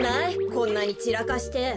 こんなにちらかして。